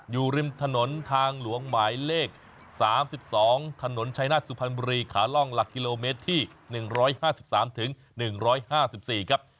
อยู่ริมถนนทางหลวงหมายเลข๓๒ถนนชัยนาศสุพรรณบุรีขาล่องหลักกิโลเมตรที่๑๕๓๑๕๔ครับ